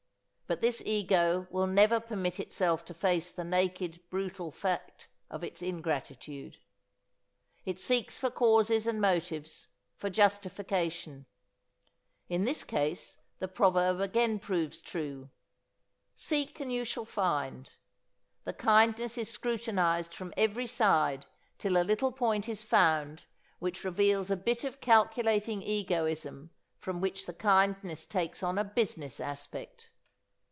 But this ego will never permit itself to face the naked brutal fact of its ingratitude. It seeks for causes and motives, for justification. In this case the proverb again proves true: "seek and you shall find," the kindness is scrutinised from every side till a little point is found which reveals a bit of calculating egoism from which the kindness takes on a business aspect.